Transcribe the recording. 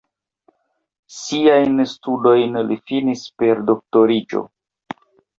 Siajn studojn li finis per doktoriĝo.